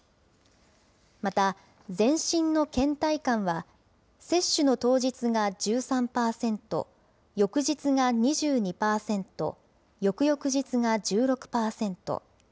また、全身のけん怠感は、接種の当日が１３％、翌日が２２％、翌々日が１６％。